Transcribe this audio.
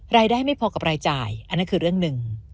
ไม่พอกับรายจ่ายอันนั้นคือเรื่องหนึ่ง